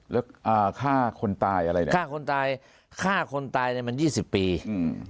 แล้วอ่าฆ่าคนตายอะไรเนี้ยฆ่าคนตายฆ่าคนตายเนี้ยมันยี่สิบปีอืม